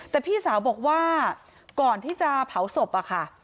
แต่พี่สาวบอกว่าก่อนที่จะเผาศพอะค่ะ